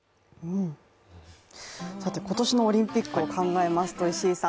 今年のオリンピックを考えますと石井さん